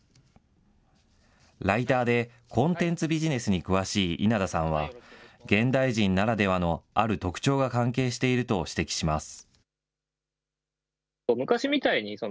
ライターでコンテンツビジネスに詳しい稲田さんは、現代人ならではのある特徴が関係していると指摘します。